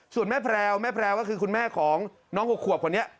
ส่วนแม่แพรวแม่แพรวก็คือคุณแม่ของน้อง๖ขวบคนนี้